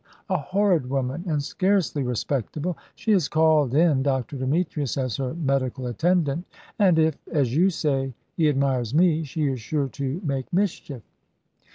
A horrid woman, and scarcely respectable. She has called in Dr. Demetrius as her medical attendant, and if as you say he admires me, she is sure to make mischief."